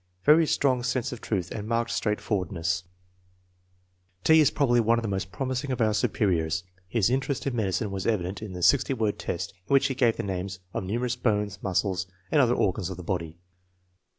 Very strong sense of truth and marked straight forwardness . T. is probably one of the most promising of our superiors. His interest in medicine was evident in the sixty word test, in which he gave the names of numer ous bones, muscles, and other organs of the body.